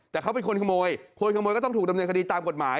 แต่เขาเป็นคนขโมยคนขโมยก็ต้องถูกดำเนินคดีตามกฎหมาย